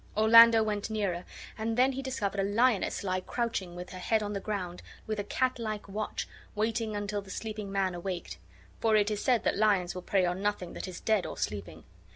Orlando went nearer, and then he discovered a lioness lie crouching, with her head on the ground, with a catlike watch, waiting until the sleeping man awaked (for it is said that lions will prey on nothing that is dead or sleeping).